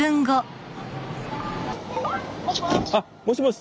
あっもしもし。